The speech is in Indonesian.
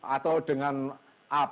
atau dengan apa